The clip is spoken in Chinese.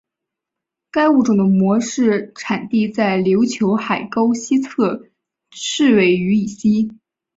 该物种的模式产地在琉球海沟西侧赤尾屿以西。